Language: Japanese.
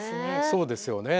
そうですよね。